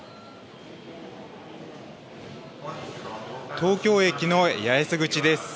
東京駅の八重洲口です。